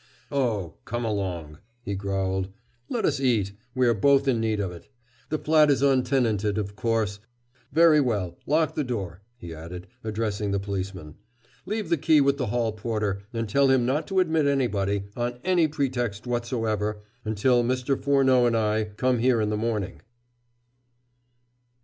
"Oh, come along," he growled, "let us eat we are both in need of it. The flat is untenanted, of course. Very well, lock the door," he added, addressing the policeman. "Leave the key with the hall porter, and tell him not to admit anybody, on any pretext whatsoever, until Mr. Furneaux and I come here in the morning."